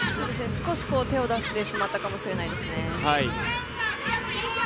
少し手を出してしまったかもしれないですね。